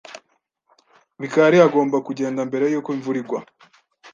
Mikali agomba kugenda mbere yuko imvura igwa.